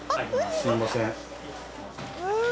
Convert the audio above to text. すみません。